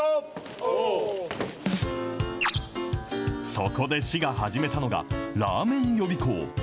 そこで市が始めたのがらーめん予備校。